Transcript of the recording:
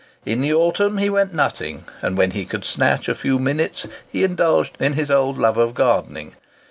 In the autumn he went nutting, and when he could snatch a few minutes he indulged in his old love of gardening.